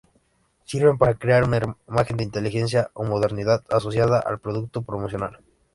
Sirven para crear una imagen de inteligencia o modernidad asociada al producto a promocionar.